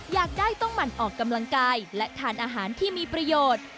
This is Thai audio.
อยากได้ต้องหมั่นออกกำลังกายและทานอาหารที่มีประโยชน์